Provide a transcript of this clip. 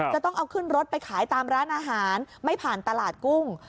จะต้องเอาขึ้นรถไปขายตามร้านอาหารไม่ผ่านตลาดกุ้ง